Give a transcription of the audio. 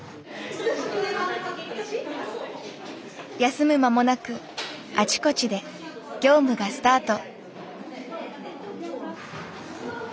休む間もなくあちこちで業務がスタート。